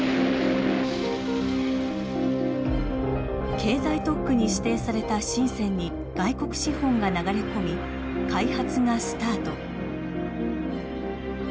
経済特区に指定された深に外国資本が流れ込み開発がスタート。